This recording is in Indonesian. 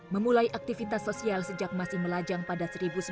memulai aktivitas sosial sejak masih melajang pada seribu sembilan ratus sembilan puluh